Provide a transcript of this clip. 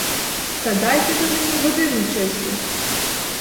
Та дайте ви мені годину чисту!